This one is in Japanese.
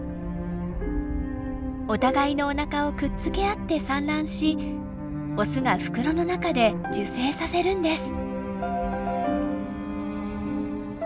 お互いのおなかをくっつけ合って産卵しオスが袋の中で受精させるんです。